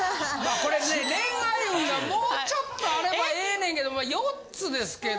これね恋愛運がもうちょっとあればええねんけど４つですけど。